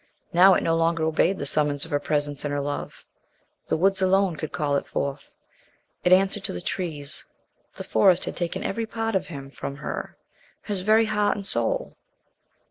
Now it no longer obeyed the summons of her presence and her love. The woods alone could call it forth; it answered to the trees; the Forest had taken every part of him from her his very heart and soul.